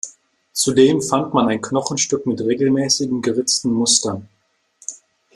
Zudem fand man ein Knochenstück mit regelmäßigen geritzten Mustern.